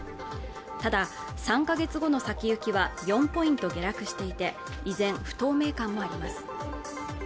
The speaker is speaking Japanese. ただ３か月後の先行きは４ポイント下落していて依然不透明感もあります